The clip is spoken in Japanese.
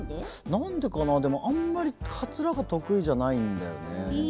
何でかなあんまり、かつらが得意じゃないんだよね。